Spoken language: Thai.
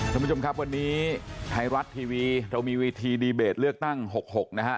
สวัสดีค่ะวันนี้ไทยรัสทีวีเรามีเวทีดีเบตเลือกตั้งหกนะฮะ